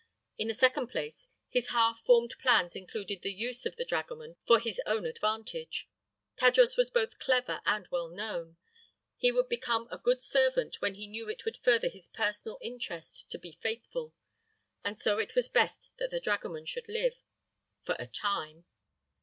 In the second place, his half formed plans included the use of the dragoman for his own advantage. Tadros was both clever and well known. He would become a good servant when he knew it would further his personal interest to be faithful, and so it was best that the dragoman should live for a time.